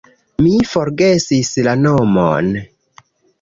Mi forgesis la nomon.